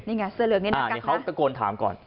นี่เขาก็กระโกนถามก่อน